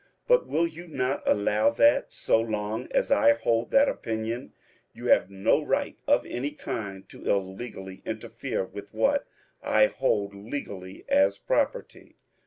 But will you not allow that, so long as I hold that opinion, you have no right of any kind to illegally interfere with what I hold legally as pro perty